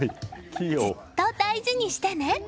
ずっと大事にしてね。